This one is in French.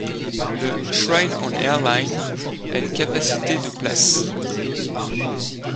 Le Shrine on Airline a une capacité de places.